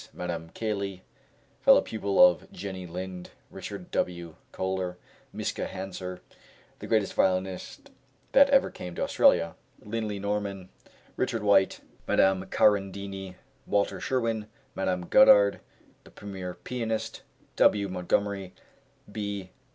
Madame Caley, fellow pupil of Jenny Lind, Richard W. Kohler, Miska Hauser, the greatest violinist that ever came to Australia, Linly Norman, Richard White, Madame Carandini, Walter Sherwin, Madame Goddard, the premier pianist, W. Montgomery, B.